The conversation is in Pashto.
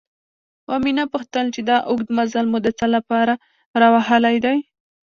ومې نه پوښتل چې دا اوږد مزل مو د څه له پاره راوهلی دی؟